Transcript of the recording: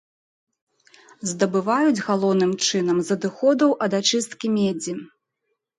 Здабываюць галоўным чынам з адыходаў ад ачысткі медзі.